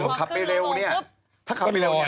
ถ้าขับไปเร็วอย่างไร